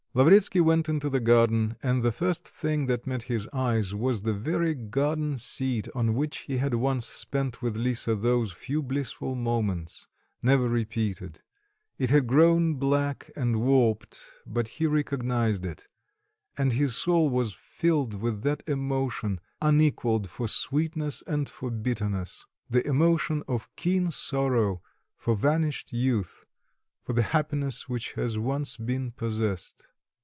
Lavretsky went out into the garden, and the first thing that met his eyes was the very garden seat on which he had once spent with Lisa those few blissful moments, never repeated; it had grown black and warped; but he recognised it, and his soul was filled with that emotion, unequalled for sweetness and for bitterness the emotion of keen sorrow for vanished youth, for the happiness which has once been possessed.